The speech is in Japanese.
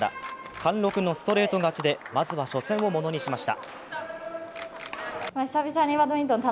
貫禄のストレート勝ちでまずは初戦をものにしました。